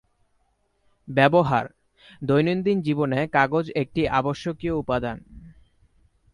ব্যবহার: দৈনন্দিন জীবনে কাগজ একটি আবশ্যকীয় উপাদান।